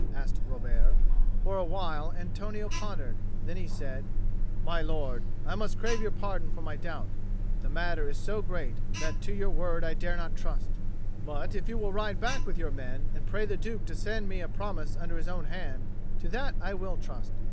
asked Robert. For a while Antonio pondered; then he said, "My lord, I must crave your pardon for my doubt; but the matter is so great that to your word I dare not trust; but if you will ride back with your men and pray the Duke to send me a promise under his own hand, to that I will trust.